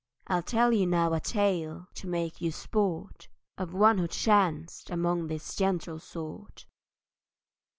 I'll tell you now a tale, to make you sport, Of one who chanced among this gentle sort."